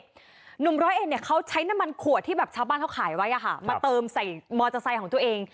หนุ่มร้อยเอ็ดเนี่ยเขาใช้น้ำมันขวดที่แบบชาวบ้านเขาขายไว้มาเติมใส่มอเตอร์ไซค์ของตัวเอง